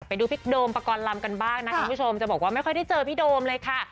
ไปดูพี่โดมปกรณ์ลำกันบ้างนะคุณผู้ชมจะบอกว่าไม่ค่อยได้เจอพี่โดมเลยค่ะ